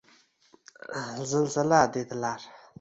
“Zilzila” dedilar –